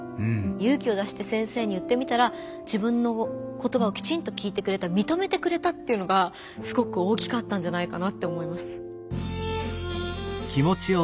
勇気を出して先生に言ってみたら自分の言葉をきちんと聞いてくれたみとめてくれたっていうのがすごく大きかったんじゃないかなと思います。